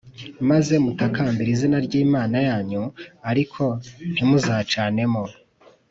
maze mutakambire izina ry’imana yanyu ariko ntimucanemo